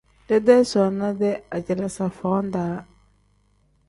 Deedee soona-dee ajalaaza foo -daa.